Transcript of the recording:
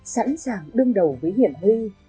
sẵn sàng đương đầu với hiển hư